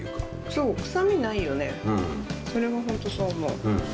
そう、臭みないよね、それは本当、そう思う。